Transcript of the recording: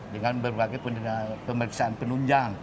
dengan berbagai pemeriksaan penunjang